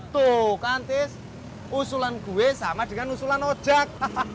tuh kan tis usulan gue sama dengan usulan ojek